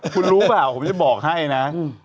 คุณรู้เปล่าผมจะบอกให้นะ